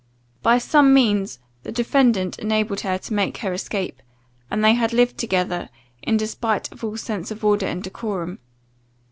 By some means the defendant enabled her to make her escape, and they had lived together, in despite of all sense of order and decorum.